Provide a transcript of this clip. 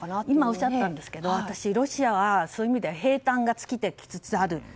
今、おっしゃったんですがロシアはそういう意味では兵站が尽きつつある。